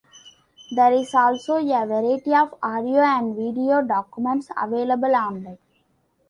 There is also a variety of audio and video documents available online.